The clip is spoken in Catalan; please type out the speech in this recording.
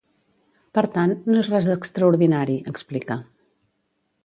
Per tant, no és res d’extraordinari, explica.